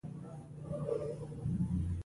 زما نوم افغانستان دی